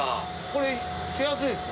これしやすいです。